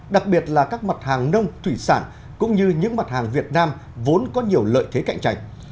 đặc biệt là các mặt hàng nông thủy sản cũng như những mặt hàng việt nam vốn có nhiều lợi thế cạnh tranh